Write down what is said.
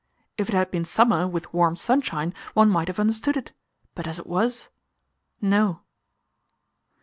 If it had been summer, with warm sunshine, one might have understood it; but as it was no!